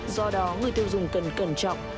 do đó người tiêu dùng cần cẩn trọng